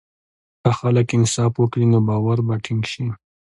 که خلک انصاف وکړي، نو باور به ټینګ شي.